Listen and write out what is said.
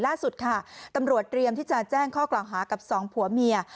ล่าสุดค่ะตำรวจเตรียมที่จะแจ้งข้อกล่าวหากับสองผัวเมีย